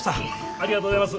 ありがとうございます。